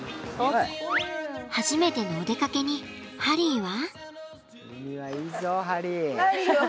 初めてのお出かけにハリーは。